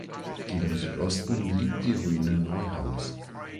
Gegen Südosten liegt die Ruine Neuhaus.